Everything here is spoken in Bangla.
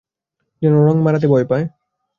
যেন রঙ মাড়াতে ভয় পায়।